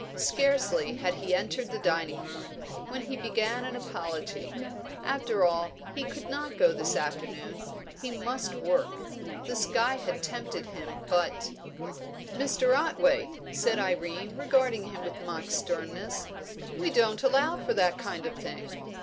Scarcely had he entered the dining room, when he began an apology; after all, he could not go this afternoon; he must work; the sky had tempted him, but "Mr. Otway," said Irene, regarding him with mock sternness, "we don't allow that kind of thing.